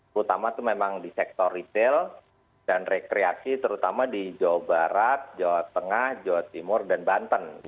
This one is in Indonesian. terutama itu memang di sektor retail dan rekreasi terutama di jawa barat jawa tengah jawa timur dan banten